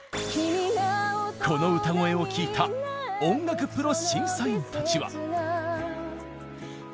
この歌声を聴いた音楽プロ審査員たちは。